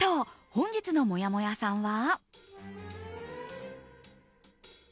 本日のもやもやさんは。